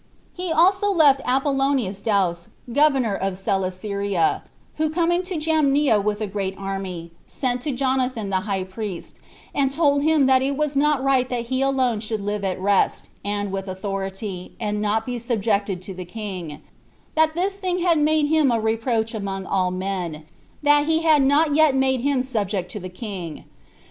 He also left Apollonius Daus 7 governor of Celesyria, who coming to Jamnia with a great army, sent to Jonathan the high priest, and told him that it was not right that he alone should live at rest, and with authority, and not be subject to the king; that this thing had made him a reproach among all men, that he had not yet made him subject to the king.